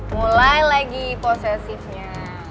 mulai lagi posesifnya